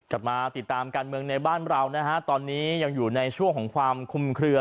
กลับมาติดตามการเมืองในบ้านเรานะฮะตอนนี้ยังอยู่ในช่วงของความคุมเคลือ